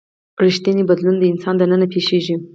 ریښتینی بدلون د انسان دننه پیښیږي.